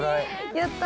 やった！